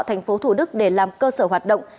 thành phố thủ đức để làm cơ sở hoạt động